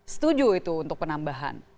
setuju itu untuk penambahan